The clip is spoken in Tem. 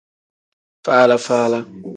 Faala-faala.